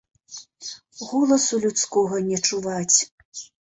Голасу людскога не чуваць.